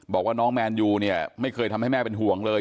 บอกว่าน้องแมนยูเนี่ยไม่เคยทำให้แม่เป็นห่วงเลย